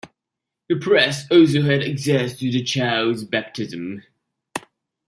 The press also had access to the child's baptism.